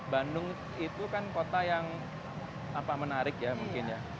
bandung itu kan kota yang menarik ya mungkin ya